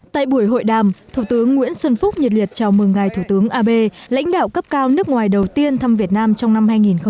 tại buổi hội đàm thủ tướng nguyễn xuân phúc nhiệt liệt chào mừng ngài thủ tướng abe lãnh đạo cấp cao nước ngoài đầu tiên thăm việt nam trong năm hai nghìn hai mươi